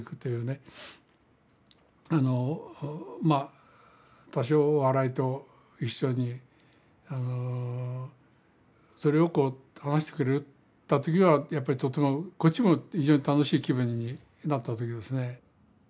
あのまあ多少笑いと一緒にそれをこう話してくれた時はやっぱりとてもこっちも非常に楽しい気分になった時ですね。